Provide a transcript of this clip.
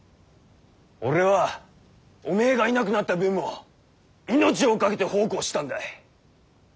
俺はおめぇがいなくなった分も命をかけて奉公してたんだ！